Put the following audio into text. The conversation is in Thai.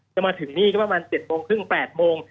จะมาถึงนี่ก็ประมาณ๗โมงครึ่ง๘โมง